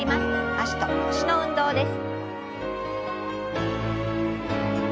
脚と腰の運動です。